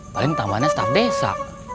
paling tambahnya staf desa